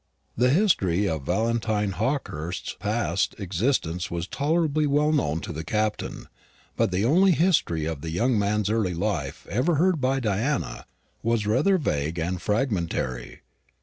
The history of Valentine Hawkehurst's past existence was tolerably well known to the Captain; but the only history of the young man's early life ever heard by Diana was rather vague and fragmentary.